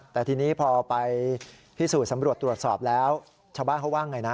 แต่ทีนี้พอไปพิสูจน์สำรวจตรวจสอบแล้วชาวบ้านเขาว่าไงนะ